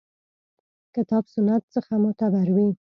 کتاب سنت څخه معتبر وي.